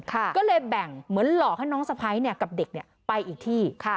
ก็เลยแบ่งเหมือนหลอกให้น้องสะพ้ายกับเด็กไปอีกที่